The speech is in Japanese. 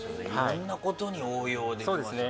色んなことに応用できますよね